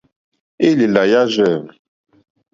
Élèlà yârzɛ̂.